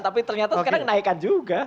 tapi ternyata sekarang kenaikan juga